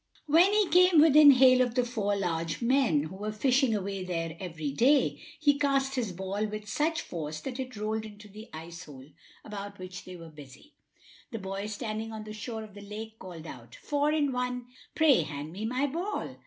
When he came within hail of the four large men, who were fishing there every day, he cast his ball with such force that it rolled into the ice hole about which they were busy. The boy, standing on the shore of the lake, called out: "Four in one, pray hand me my ball."